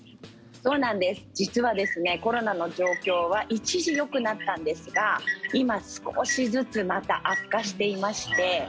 実は、コロナの状況は一時よくなったんですが今、少しずつまた悪化していまして。